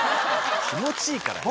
気持ちいいからね。